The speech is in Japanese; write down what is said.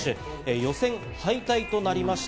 予選敗退となりました。